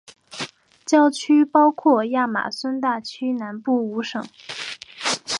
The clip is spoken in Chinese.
教区包括亚马孙大区南部五省。